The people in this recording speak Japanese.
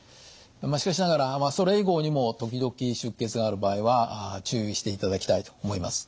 しかしながらそれ以降にも時々出血がある場合は注意していただきたいと思います。